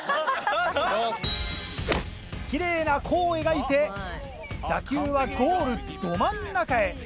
キレイな弧を描いて打球はゴールど真ん中へ。